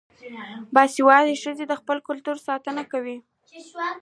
باسواده ښځې د خپل کلتور ساتنه کوي.